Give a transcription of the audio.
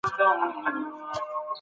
مغول په منځني ختیځ کي ميشت سول.